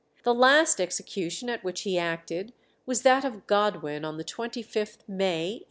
The last execution at which he acted was that of Godwin, on the 25th May, 1874.